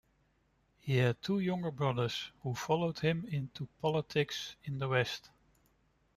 He had two younger brothers who followed him into politics in the West.